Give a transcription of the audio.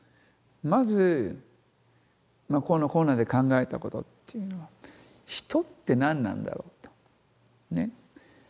まずこのコロナで考えたことっていうのは人って何なんだろう？ってね。